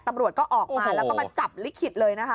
ตำรวจก็ออกมาแล้วก็มาจับลิขิตเลยนะคะ